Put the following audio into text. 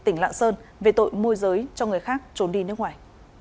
tỉnh lạng sơn về tội môi giới cho người khác trốn đi nước ngoài